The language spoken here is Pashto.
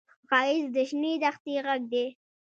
ښایست د شنې دښتې غږ دی